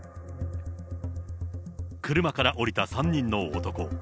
車から降りた３人の男。